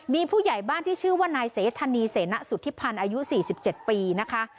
มีผู้ใหญ่บ้านที่ชื่อว่านายเสธนีเสนะสุธิพันธ์อายุ๔๗ปีนะคะ